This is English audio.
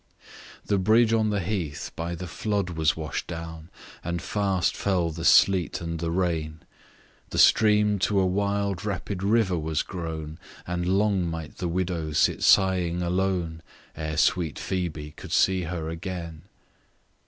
Page 67 The bridge on the heath by the flood was wash'd down, And fast fell the sleet and the rain, The stream to a wild rapid river was grown, And long might the widow sit sighing alone Ere sweet Phoebe could see her again.